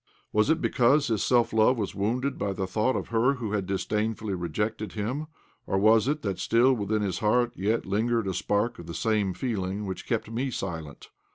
Was it because his self love was wounded by the thought of her who had disdainfully rejected him, or was it that still within his heart yet lingered a spark of the same feeling which kept me silent?